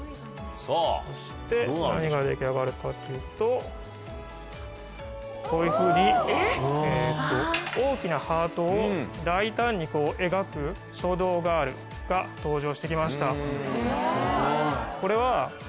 そして何が出来上がるかっていうとこういうふうに大きなハートを大胆に描く書道ガールが登場して来ました。